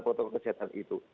protokol kesehatan itu